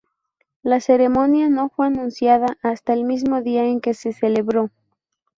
La ceremonia no fue anunciada hasta el mismo día en que se celebró.